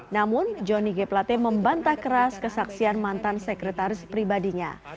namun johnny g plate membantah keras kesaksian mantan sekretaris pribadinya